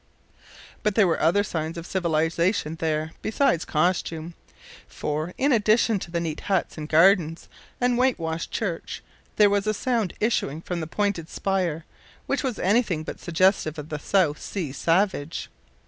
But there were other signs of civilisation there besides costume, for, in addition to the neat huts and gardens and whitewashed church, there was a sound issuing from the pointed spire which was anything but suggestive of the South sea savage.